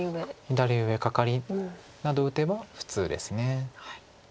左上カカリなど打てば普通です。